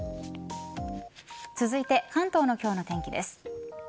続いて関東の今日の天気です。